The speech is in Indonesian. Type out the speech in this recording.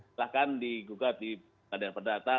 silahkan di google di padang perdata